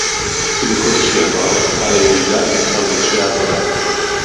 כי בחודש ינואר חלה ירידה במספר דורשי העבודה